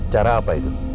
cara apa itu